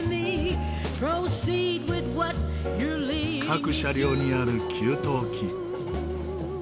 各車両にある給湯器。